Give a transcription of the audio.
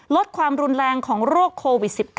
ลดความรุนแรงของโรคโควิด๑๙